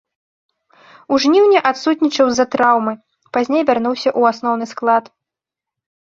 У жніўні адсутнічаў з-за траўмы, пазней вярнуўся ў асноўны склад.